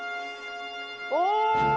お！